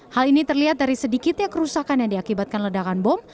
hal ini terlihat dari sedikitnya kerusakan yang diakibatkan ledakan bom